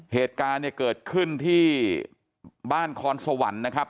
เหตุการณ์เนี่ยเกิดขึ้นที่บ้านคอนสวรรค์นะครับ